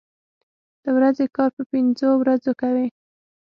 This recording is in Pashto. د ورځې کار په پنځو ورځو کوي.